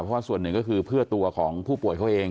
เพราะว่าส่วนหนึ่งก็คือเพื่อตัวของผู้ป่วยเขาเอง